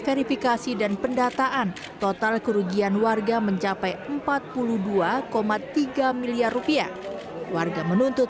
verifikasi dan pendataan total kerugian warga mencapai empat puluh dua tiga miliar rupiah warga menuntut